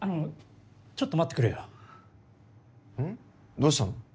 どうしたの？